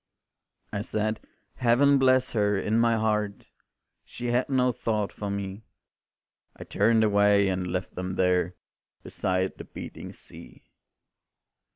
I said, Heaven bless her, in my heart, She had no thought for me; I turned away and left them there Beside the beating sea.